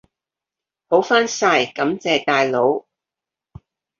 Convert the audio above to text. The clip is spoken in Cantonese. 好返晒，感謝大佬！